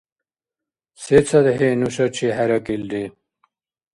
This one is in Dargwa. СецадхӀи нушачи хӀеракӀилри?